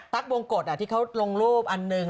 ตั๊กวงกฏที่เขาลงรูปอันนึง